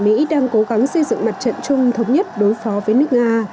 mỹ đang cố gắng xây dựng mặt trận chung thống nhất đối phó với nước nga